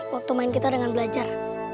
waktu main kita dengan belajar